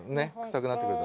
臭くなってくる。